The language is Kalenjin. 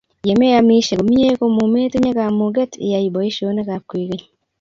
ye me amisie komye ko mumetinye kamuget iyai boisinikab kwekeny